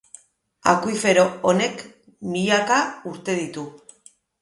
Akuifero honek milaka urte ditu.